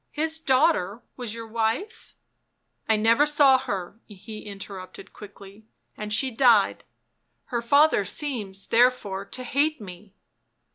" His daughter was your wife ?"" I never saw her," he interrupted quickly. " And she died. Her father seems, therefore, to hate me."